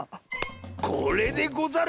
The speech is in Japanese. これでござる。